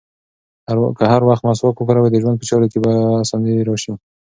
که هر وخت مسواک وکاروې، د ژوند په چارو کې به دې اساني راشي.